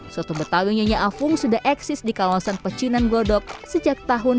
soto betawi nyonya afung sudah eksis di kawasan picinan glodok sejak tahun seribu sembilan ratus delapan puluh dua